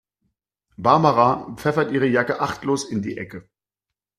Barbara pfeffert ihre Jacke achtlos in die Ecke.